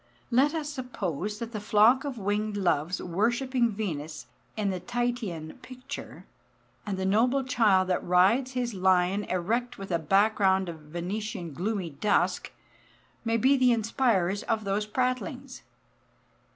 Let us suppose that the flock of winged Loves worshipping Venus in the Titian picture, and the noble child that rides his lion erect with a background of Venetian gloomy dusk, may be the inspirers of those prattlings.